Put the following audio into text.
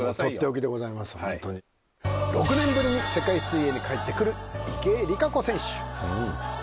６年ぶりに世界水泳に帰ってくる池江璃花子選手